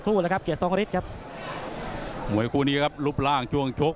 ครับเกียร์ทรงฤทธิ์ครับหมวยคู่นี้ครับลุบร่างจุ้งชุก